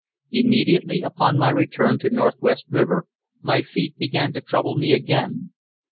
Immediately upon my return to Northwest River, my feet began to trouble me again.